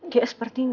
dia seperti gak